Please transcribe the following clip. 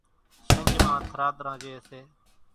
شنجھ مان ٿراۮران ريئيَ سي۔